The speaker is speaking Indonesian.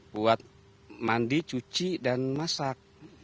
buat mandi cuci dan masak